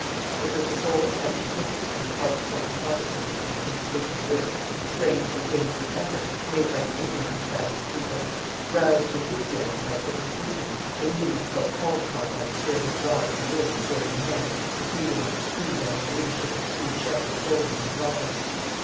It was the sole attempt in history on the part of French Protestantism since Richelieu, a strange and dangerous effort made by an ignorant and savage people; roused to enthusiasm by persecution, believing itself called upon by the spirit of God to win, sword in hand, the freedom of its creed under the leadership of two shepherd soldiers and prophets.